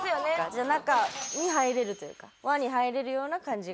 じゃあ中に入れるというか輪に入れるような感じが？